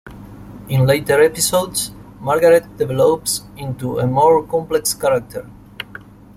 In later episodes, Margaret develops into a more complex character.